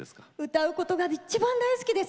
歌うことがいちばん大好きです。